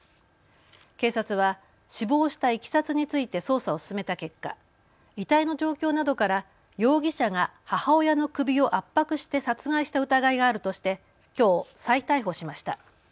警察は死亡したいきさつについて捜査を進めた結果、遺体の状況などから容疑者が母親の首を圧迫して殺害した疑いがあるとしてきょう再逮捕しました。